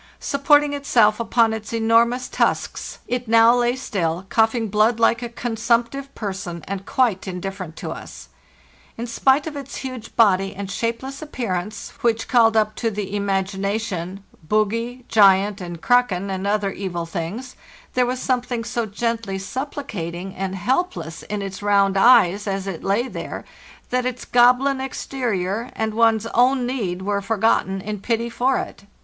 Supporting itself upon its enormous tusks, it now lay still, coughing blood like a consumptive person, and quite indifferent to us. In spite of its huge body and shapeless appearance, which called up to the imagination bogy, giant, and kraken, and other evil things, there was something so gently supplicating and helpless in its round eyes as it lay there that its goblin exterior and one's own need were forgot ten in pity for it.